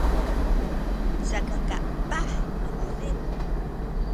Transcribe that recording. saka kapah nu uzip